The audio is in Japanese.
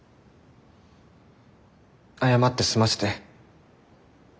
謝って済ませて。